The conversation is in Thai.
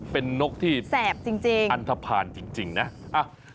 เป็นนกที่อันทภานจริงนะแดปจริง